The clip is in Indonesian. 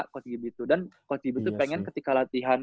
coach gibi tuh pengen ketika latihan